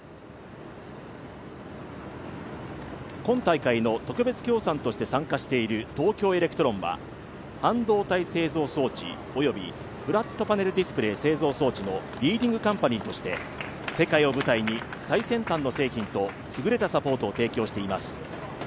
今大会の特別協賛として参加している東京エレクトロンは半導体製造装置、及びフラットパネルディスプレイ装置のリーディングカンパニーとして世界を舞台に最先端の製品と優れたサポートを提供しています。